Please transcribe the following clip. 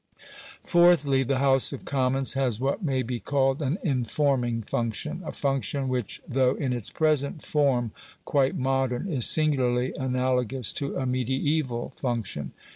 Fourthly, the House of Commons has what may be called an informing function a function which though in its present form quite modern is singularly analogous to a mediaeval function.